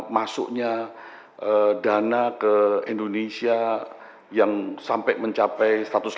masuknya dana ke indonesia yang sampai mencapai